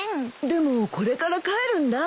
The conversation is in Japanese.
でもこれから帰るんだ。